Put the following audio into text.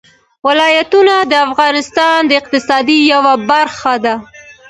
ولایتونه د افغانستان د اقتصاد یوه برخه ده.